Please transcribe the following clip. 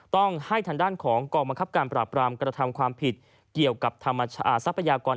ต้องให้ด้านของกรบการปราบรามกระตำความผิดเกี่ยวกับสัพประยากร